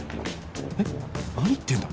えっ何言ってんだ？